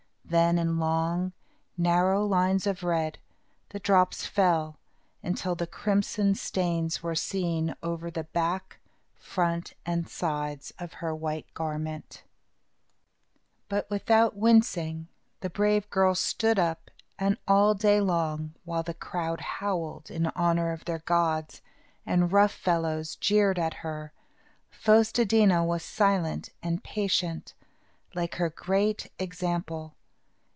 Then in long, narrow lines of red, the drops fell, until the crimson stains were seen over the back, front, and sides of her white garments. But without wincing, the brave girl stood up, and all day long, while the crowd howled, in honor of their gods, and rough fellows jeered at her, Fos te dí na was silent and patient, like her Great Example.